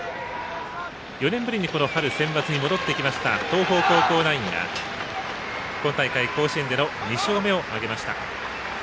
４年ぶりにこの春センバツに戻ってきました東邦高校ナインが、今大会甲子園での２勝目を挙げました。